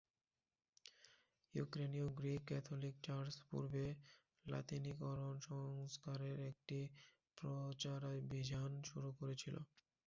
ইউক্রেনীয় Greek Catholic church পূর্বে লাতিনীকরণ সংস্কারের একটি প্রচারাভিযান শুরু করেছিল।